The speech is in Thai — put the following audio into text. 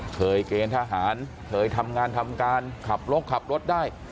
เกณฑ์ทหารเคยทำงานทำการขับรถขับรถได้